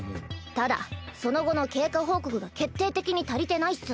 ただその後の経過報告が決定的に足りてないっス。